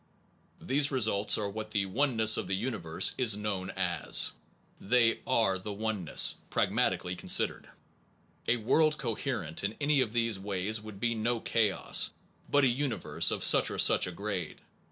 These results are what the Oneness of the Universe is known as. They are the oneness, Summary pragmatically considered. A world coherent in any of these ways would be no chaos, but a* universe of such or such a grade.